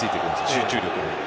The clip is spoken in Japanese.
集中力の。